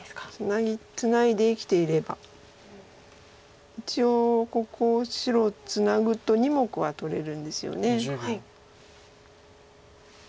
ツナいで生きていれば一応ここ白ツナぐと２目は取れるんですよね。